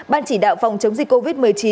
ban chỉ đạo phòng chống dịch covid một mươi chín